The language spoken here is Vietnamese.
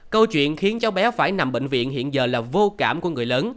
câu chuyện khiến cháu bé phải nằm bệnh viện hiện giờ là vô cảm của người lớn